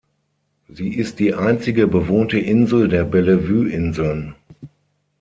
Sie ist die einzige bewohnte Insel der Bellevue-Inseln.